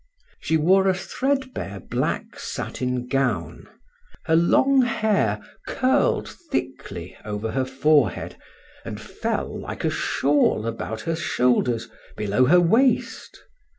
She wore a threadbare black satin gown, her long hair curled thickly over her forehead, and fell like a shawl about her shoulders below her waist.